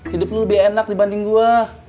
hidup lo lebih enak dibanding gue